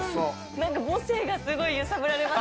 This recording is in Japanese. なんか母性がすごい揺さぶられます。